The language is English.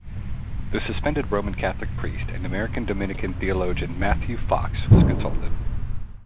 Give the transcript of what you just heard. The suspended Roman Catholic priest and American Dominican theologian Matthew Fox was consulted.